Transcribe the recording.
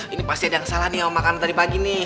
ini pasti ada yang salah nih sama makanan tadi pagi nih